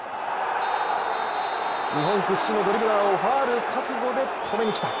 日本屈指のドリブラーをファウル覚悟で止めに来た。